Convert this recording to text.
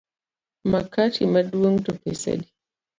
Makati maduong’ to pesa adi?